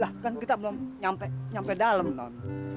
lah kan kita belum nyampe nyampe dalem non